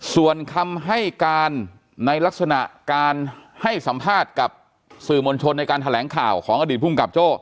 ส่วนคำให้การในลักษณะการให้สัมภาษณ์กับสื่อมวลชนในการแถลงข่าวของอดีตภูมิกับโจ้